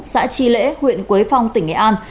xã tri lễ huyện quế phong tỉnh nghệ an